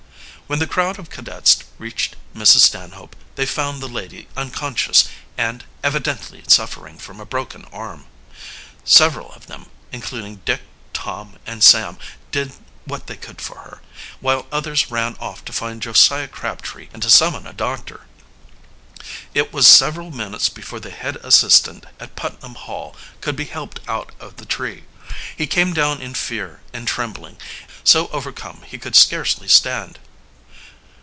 When the crowd of cadets reached Mrs. Stanhope they found the lady unconscious and evidently suffering from a broken arm. Several of them, including Dick, Tom, and Sam, did what they could for her, while others ran off to find Josiah Crabtree and to summon a doctor. It was several minutes before the head assistant at Putnam Hall could be helped out of the tree. He came down in fear and trembling, so overcome he could scarcely stand.